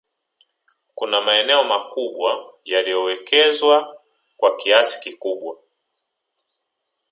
kuna maeneo makubwa yaliyowekezwa kwa kiasi kikubwa